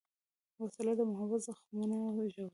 وسله د محبت زخمونه ژوروي